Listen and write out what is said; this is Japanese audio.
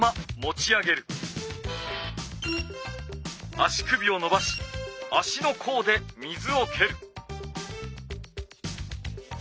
足首をのばし足の甲で水をける。